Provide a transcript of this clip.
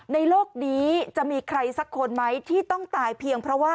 โลกนี้จะมีใครสักคนไหมที่ต้องตายเพียงเพราะว่า